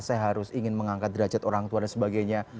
saya harus mengatasi orang tua dan sebagainya